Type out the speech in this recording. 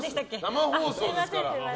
生放送ですから。